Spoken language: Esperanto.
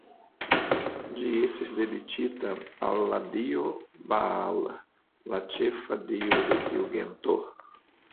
Ĝi estis dediĉita al la dio Baal, la ĉefa dio de tiu gento.